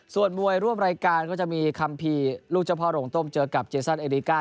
ส่วนมวยร่วมรายการก็จะมีคัมภีร์ลูกเจ้าพ่อโรงต้มเจอกับเจสันเอริกา